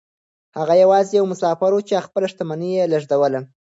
هغه يوازې يو مسافر و چې خپله شتمني يې لېږدوله.